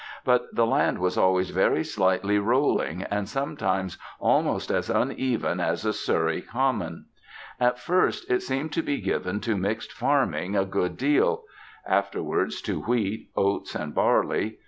But the land was always very slightly rolling, and sometimes almost as uneven as a Surrey common. At first it seemed to be given to mixed farming a good deal; afterwards to wheat, oats, and barley.